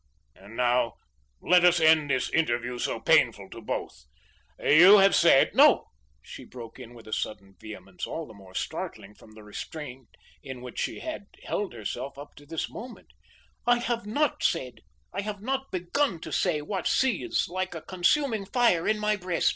And now let us end this interview so painful to both. You have said " "No," she broke in with sudden vehemence, all the more startling from the restraint in which she had held herself up to this moment, "I have not said I have not begun to say what seethes like a consuming fire in my breast.